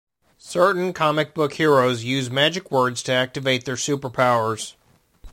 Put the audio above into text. Certain comic book heroes use magic words to activate their super powers.